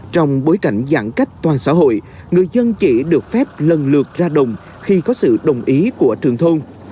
trong bối cảnh giãn cách toàn xã hội người dân chỉ được phép lần lượt ra đồng khi có sự đồng ý của trường thôn